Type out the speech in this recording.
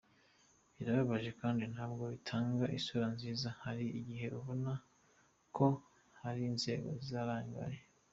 Birababaje kandi ntabwo bitanga isura nziza, hari igihe ubona ko hari inzego zarangaye.